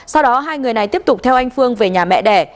sau đó hai người này tiếp tục theo anh phương về nhà mẹ đẻ